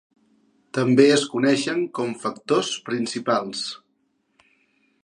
També es coneixen com "factors principals".